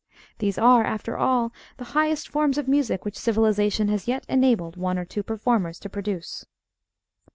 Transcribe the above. These are, after all, the highest forms of music which civilisation has yet enabled one or two performers to produce.